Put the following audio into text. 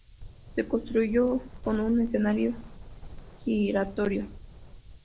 Se construyó con un escenario giratorio.